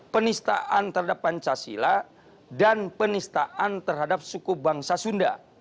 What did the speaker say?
penistaan terhadap pancasila dan penistaan terhadap suku bangsa sunda